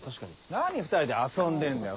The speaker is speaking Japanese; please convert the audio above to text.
何２人で遊んでんだよ。